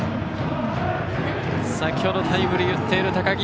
先程、タイムリーを打っている高木。